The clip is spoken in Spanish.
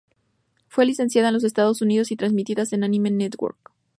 Fue licenciada en los Estados Unidos y transmitida en Anime Network.